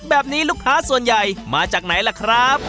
แบบนี้ลูกค้าส่วนใหญ่มาจากไหนล่ะครับ